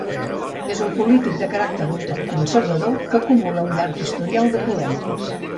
És un polític de caràcter ultraconservador, que acumula un llarg historial de polèmiques.